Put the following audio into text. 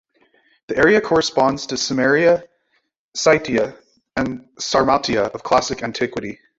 The area corresponds to Cimmeria, Scythia, and Sarmatia of classical antiquity.